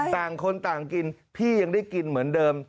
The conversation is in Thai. ต่างคนต่างกินพี่ยังได้กินเหมือนเดิม